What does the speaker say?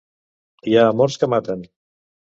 Hi ha amors que maten.